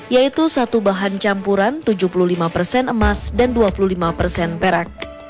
yaitu satu bahan campuran tujuh puluh lima persen emas dan dua puluh lima persen perak